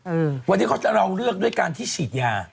เออวันที่เขาจะเลือกด้วยการที่สีดยา